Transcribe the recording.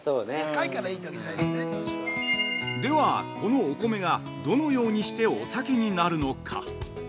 では、このお米がどのようにしてお酒になるのか。